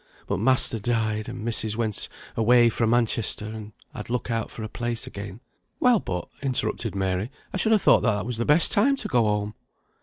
But master died, and missis went away fra Manchester, and I'd to look out for a place again." "Well, but," interrupted Mary, "I should have thought that was the best time to go home."